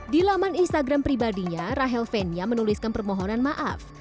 di laman instagram pribadinya rahel fenya menuliskan permohonan maaf